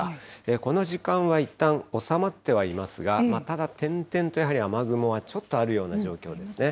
この時間はいったん、収まってはいますが、ただ、点々とやはり雨雲はちょっとあるような状況ですね。